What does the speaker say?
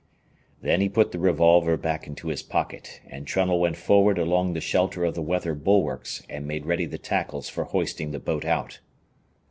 Then he put the revolver back into his pocket, and Trunnell went forward along the shelter of the weather bulwarks and made ready the tackles for hoisting the boat out.